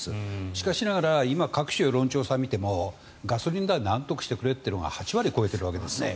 しかしながら今、各種世論調査を見てもガソリン代をなんとかしてくれというのが８割超えているわけです。